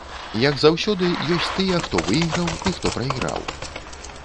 Як заўсёды, ёсць тыя, хто выйграў і хто прайграў.